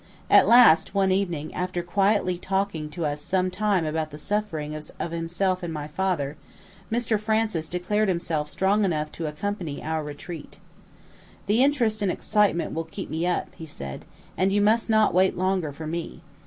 At last, one evening, after quietly talking to us sometime about the sufferings of himself and my father, Mr Francis declared himself strong enough to accompany our retreat. "The interest and excitement will keep me up," he said; "and you must not wait longer for me.